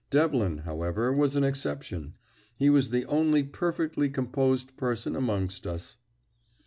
Devlin, however, was an exception; he was the only perfectly composed person amongst us.